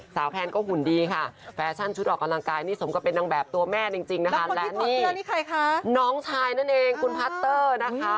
แพนก็หุ่นดีค่ะแฟชั่นชุดออกกำลังกายนี่สมกับเป็นนางแบบตัวแม่จริงนะคะและนี่น้องชายนั่นเองคุณพัตเตอร์นะคะ